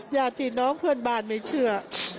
ญาติพี่น้องเพื่อนบ้านไม่เชื่อ